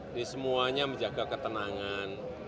ini semuanya menjaga ketenangan